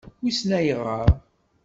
Wissen ayɣeṛ.